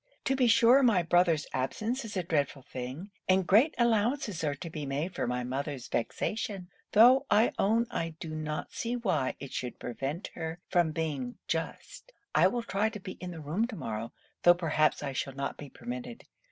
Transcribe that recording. To be sure my brother's absence is a dreadful thing; and great allowances are to be made for my mother's vexation; tho' I own I do not see why it should prevent her being just. I will try to be in the room to morrow, tho' perhaps I shall not be permitted.